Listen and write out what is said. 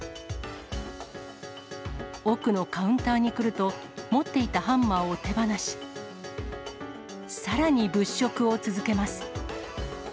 奥のカウンターに来ると、持っていたハンマーを手放し、さらに物色を続けます。